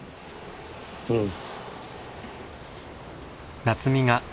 うん。